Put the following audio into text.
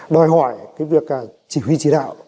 đòi hỏi cái việc chỉ huy chỉ đạo